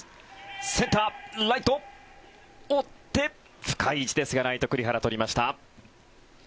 センター、ライト、追って深い位置ですがライト、栗原、とりました。